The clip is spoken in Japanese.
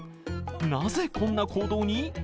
なぜこんな行動に？